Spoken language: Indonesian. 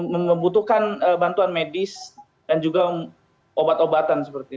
membutuhkan bantuan medis dan juga obat obatan seperti itu